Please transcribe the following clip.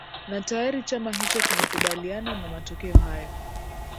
na tayari chama hicho kimekubaliana na matokeo hayo